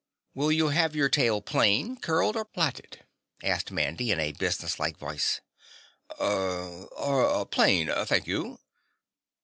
"Will you have your tail plain, curled or plaited?" asked Mandy in a businesslike voice. "Er er plain, thank you."